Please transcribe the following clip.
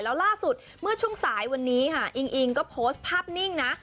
แล้วล่าสุดเมื่อช่วงสายวันนี้ค่ะอิงอิงก็โพสต์ภาพนิ่งนะ